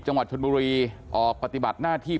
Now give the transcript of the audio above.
จังหวัดชนบุรีออกปฏิบัติหน้าที่